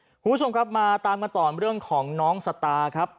คุณผู้ชมครับมาตามกันต่อเรื่องของน้องสตาครับ